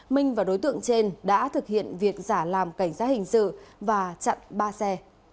minh và đối tượng trên đã thực hiện việc giả làm cảnh sát hình sự và chặn ba xe